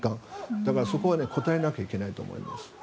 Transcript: だからそこは応えなきゃいけないと思います。